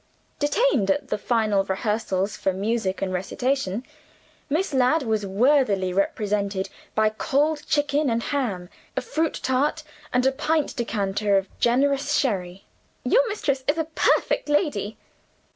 Detained at the final rehearsals of music and recitation, Miss Ladd was worthily represented by cold chicken and ham, a fruit tart, and a pint decanter of generous sherry. "Your mistress is a perfect lady!"